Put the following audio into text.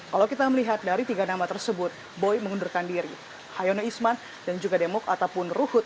kalau kita melihat dari tiga nama tersebut boy mengundurkan diri hayono isman dan juga demok ataupun ruhut